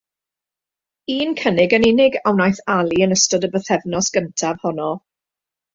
Un cynnig yn unig a wnaeth Ali yn ystod y bythefnos gyntaf honno.